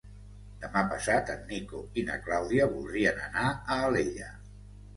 Demà passat en Nico i na Clàudia voldrien anar a Alella.